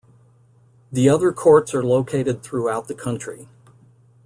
The other courts are located throughout the country.